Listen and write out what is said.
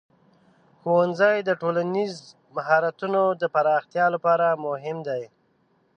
ښوونځی د ټولنیز مهارتونو د پراختیا لپاره مهم دی.